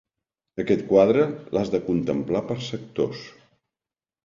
Aquest quadre, l'has de contemplar per sectors.